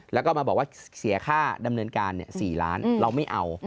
แล้วก็มาบอกว่าเสียค่าดำเนินการ๔ล้านเราไม่เอา